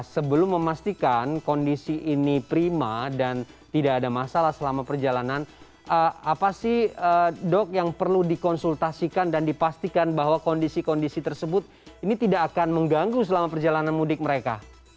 sebelum memastikan kondisi ini prima dan tidak ada masalah selama perjalanan apa sih dok yang perlu dikonsultasikan dan dipastikan bahwa kondisi kondisi tersebut ini tidak akan mengganggu selama perjalanan mudik mereka